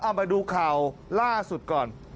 เอามาดูข่าวล่าสุดก่อน